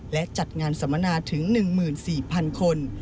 และจัดงานสัมมนาถึง๑๔๐๐๐คน